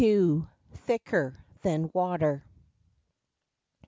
THICKER THAN WATER.